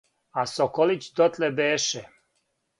А соколић дотле беше